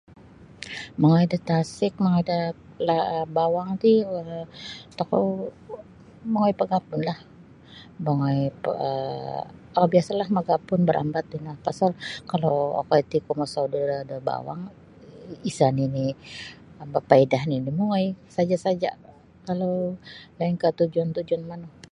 Mongoi da tasik mongoi da la bawang ti um tokou mongoi pagapunlah mongoi um biasalah magapun barambat kalau okoi ti kuo mosodu' da bawang isa nini' bapaidah nini' mongoi saja-saja' kalau lainkah tujuan-tujuan manu.